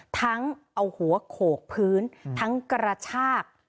ทั้งเอาหัวโขกพื้นทั้งกระชาก